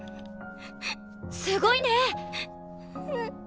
すごいね！